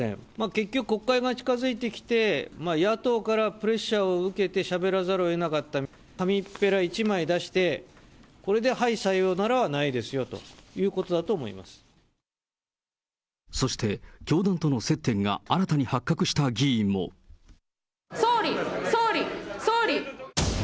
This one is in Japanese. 結局国会が近づいてきて、野党からプレッシャーを受けてしゃべらざるをえなかった、紙っぺら１枚出して、これではい、さようならはないですよというこそして教団との接点が新たに総理、総理、総理。